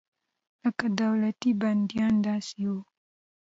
لکه دولتي بندیان داسې وو.